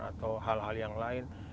atau hal hal yang lain